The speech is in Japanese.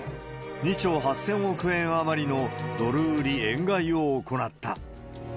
２兆８０００億円余りのドル売り円買いを行った。